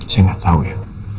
saya gak tahu ya